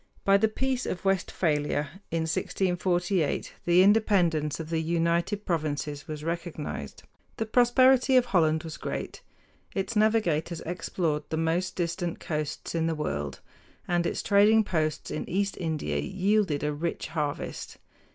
By the Peace of Westphalia in 1648 the independence of the United Provinces was recognized. The prosperity of Holland was great. Its navigators explored the most distant coasts in the world, and its trading posts in East India yielded a rich harvest.